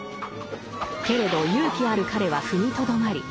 けれど勇気ある彼は踏みとどまり運